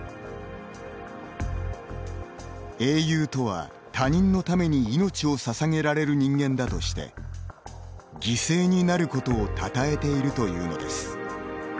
英雄とは他人のために命をささげられる人間だとして犠牲になることをたたえているというのです。